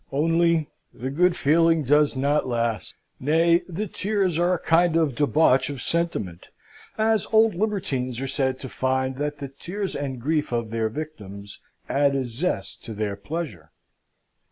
Only the good feeling does not last nay, the tears are a kind of debauch of sentiment, as old libertines are said to find that the tears and grief of their victims add a zest to their pleasure.